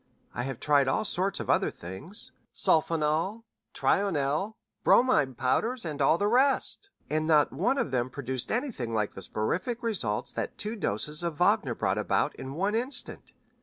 I have tried all sorts of other things sulfonal, trionel, bromide powders, and all the rest, and not one of them produced anything like the soporific results that two doses of Wagner brought about in one instant.